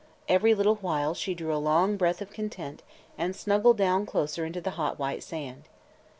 Every little while she drew a long breath of content and snuggled down closer into the hot white sand.